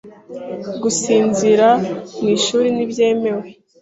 Gusinzira mu ishuri ntibyemewe .